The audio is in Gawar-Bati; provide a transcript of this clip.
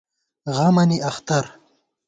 غمَنی اختر